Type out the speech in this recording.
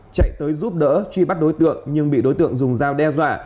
chạy tới giúp đỡ truy bắt đối tượng nhưng bị đối tượng dùng dao đe dọa